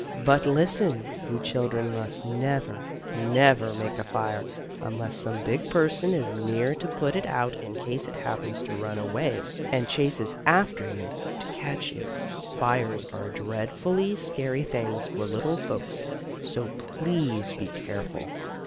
But listen, you children must never, never make a fire, unless some big person is near to put it out in case it happens to run away, and chases after you, to catch you. Fires are dreadfully scary things for little folks, so please be careful.